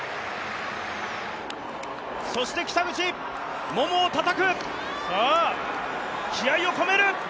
そして北口、ももをたたく気合いを込める！